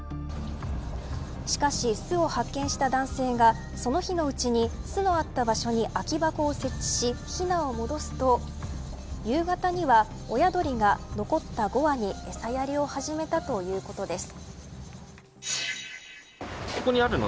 しかし、巣を発見した男性がその日のうちに巣のあった場所に空き箱を設置し、ひなを戻すと夕方には親鳥が残った５羽に餌やりを始めたということです。